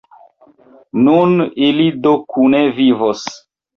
Nun ili do kune vivos!